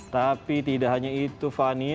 tapi tidak hanya itu fani